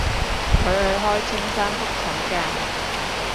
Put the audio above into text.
佢去開青山覆診㗎